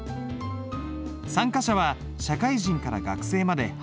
参加者は社会人から学生まで幅広い。